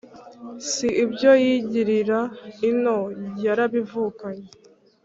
Si ibyo yigirira ino; yarabi vukanye